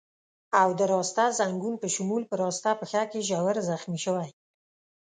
او د راسته ځنګون په شمول په راسته پښه کې ژور زخمي شوی.